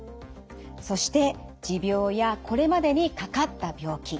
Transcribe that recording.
そして持病やこれまでにかかった病気。